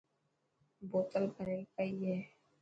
بوتل ڀريل پئي هي.